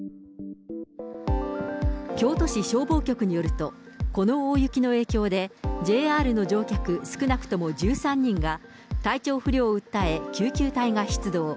京都市消防局によると、この大雪の影響で、ＪＲの乗客少なくとも１３人が、体調不良を訴え、救急隊が出動。